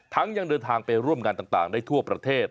ยังเดินทางไปร่วมงานต่างได้ทั่วประเทศ